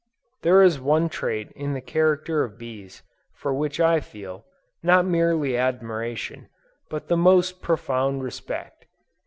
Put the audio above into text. There is one trait in the character of bees, for which I feel, not merely admiration, but the most profound respect.